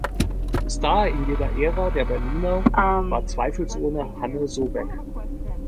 Star in jener Ära der Berliner war zweifelsohne Hanne Sobek.